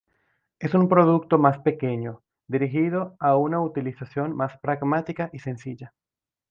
Es un producto más pequeño, dirigido a una utilización más pragmática y sencilla.